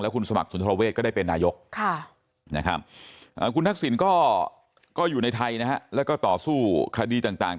คุณสมัครสุนทรเวทก็ได้เป็นนายกนะครับคุณทักษิณก็อยู่ในไทยนะฮะแล้วก็ต่อสู้คดีต่าง